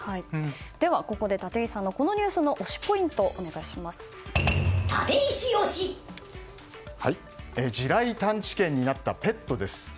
では、ここで立石さんのこのニュースの推しポイント地雷探知犬になったペットです。